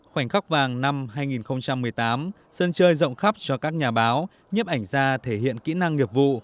khoảnh khắc vàng năm hai nghìn một mươi tám sân chơi rộng khắp cho các nhà báo nhấp ảnh ra thể hiện kỹ năng nghiệp vụ